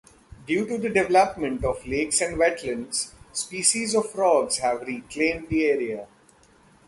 Due to development of lakes and wetlands, species of frogs have reclaimed the area.